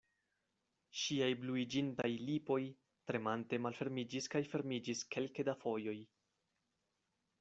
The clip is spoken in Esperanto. Ŝiaj bluiĝintaj lipoj, tremante malfermiĝis kaj fermiĝis kelke da fojoj.